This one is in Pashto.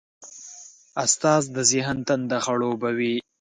استاد د ذهن تنده خړوبوي.